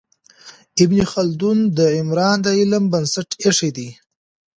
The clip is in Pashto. ابن خلدون د عمران د علم بنسټ ایښی دی.